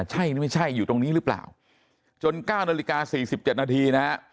ใช่หรือไม่ใช่อยู่ตรงนี้หรือเปล่าจนเก้านาฬิกาสี่สิบเจ็ดนาทีนะฮะ